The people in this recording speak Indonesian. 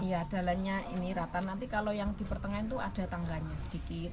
iya jalannya ini rata nanti kalau yang di pertengahan itu ada tangganya sedikit